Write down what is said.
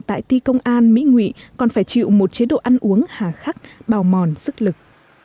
thì công an mỹ nghị còn phải chịu một chế độ ăn uống hà khắc bào mòn sức lực